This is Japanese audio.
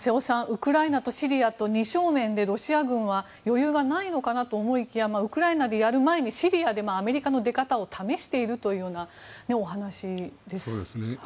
ウクライナとシリアと２正面でロシア軍は余裕がないのかなと思いきやウクライナでやる前にシリアでアメリカの出方を試しているというお話です。